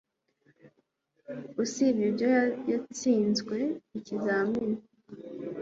Usibye ibyo yatsinzwe ikizamini